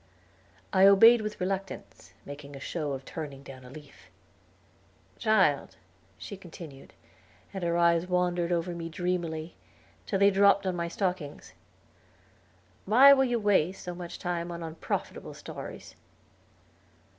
I obeyed with reluctance, making a show of turning down a leaf. "Child," she continued, and her eyes wandered over me dreamily, till they dropped on my stockings; "why will you waste so much time on unprofitable stories?"